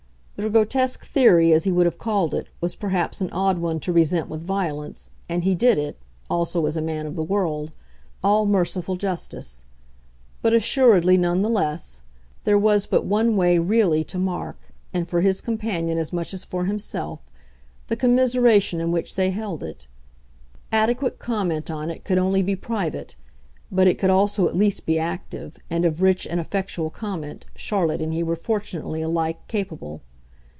The grotesque theory, as he would have called it, was perhaps an odd one to resent with violence, and he did it also as a man of the world all merciful justice; but, assuredly, none the less, there was but one way REALLY to mark, and for his companion as much as for himself, the commiseration in which they held it. Adequate comment on it could only be private, but it could also at least be active, and of rich and effectual comment Charlotte and he were fortunately alike capable.